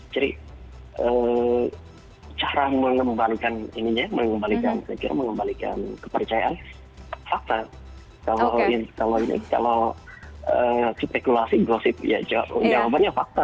jadi cara mengembalikan kepercayaan fakta kalau spekulasi gosip jawabannya fakta